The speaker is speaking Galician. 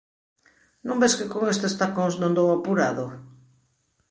¿Non ves que con estes tacóns non dou apurado...?